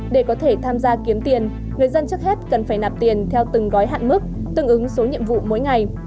để có thể tham gia kiếm tiền người dân trước hết cần phải nạp tiền theo từng gói hạn mức tương ứng số nhiệm vụ mỗi ngày